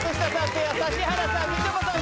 ペア指原さんみちょぱさん